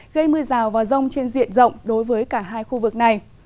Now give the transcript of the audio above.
gây mưa rào và rông trên diện rộng đối với cả hai khu vực này